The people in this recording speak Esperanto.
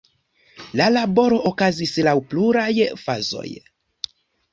La laboro okazis laŭ pluraj fazoj.